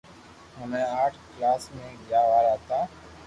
ھمي آٺ ڪلاس مي گيا وارا ھتا